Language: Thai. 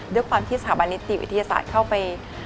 ด้วยความที่สถาบันนิติวิทยาศาสตร์เข้าไป